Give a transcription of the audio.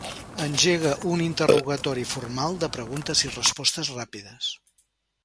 Engega un interrogatori formal de preguntes i respostes ràpides.